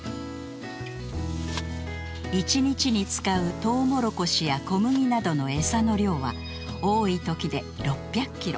一日に使うトウモロコシや小麦などのエサの量は多い時で６００キロ。